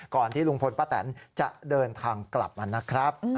ที่ลุงพลป้าแตนจะเดินทางกลับมานะครับ